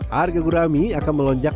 harga gurami akan melonjak